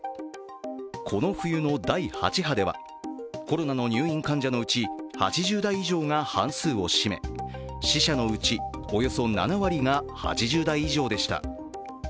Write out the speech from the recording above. この冬の第８波では、コロナの入院患者のうち８０代以上が半数を占め、死者のうちおよそ７割が８０代以上でした。